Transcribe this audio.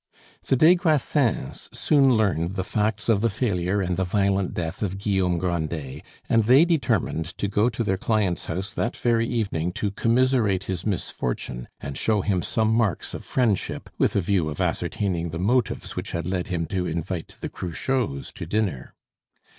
The des Grassins soon learned the facts of the failure and the violent death of Guillaume Grandet, and they determined to go to their client's house that very evening to commiserate his misfortune and show him some marks of friendship, with a view of ascertaining the motives which had led him to invite the Cruchots to dinner.